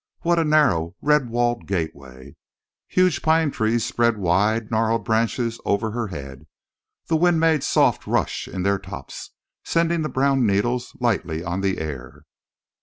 What a narrow red walled gateway! Huge pine trees spread wide gnarled branches over her head. The wind made soft rush in their tops, sending the brown needles lightly on the air.